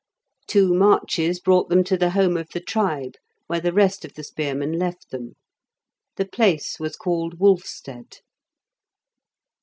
Two marches brought them to the home of the tribe, where the rest of the spearmen left them. The place was called Wolfstead.